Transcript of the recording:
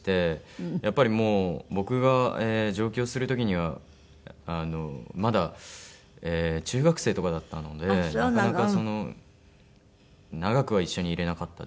やっぱりもう僕が上京する時にはまだ中学生とかだったのでなかなかその長くは一緒にいられなかったですね。